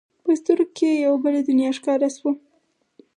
په سترګو کې یې یوه بله دنیا ښکاره شوه.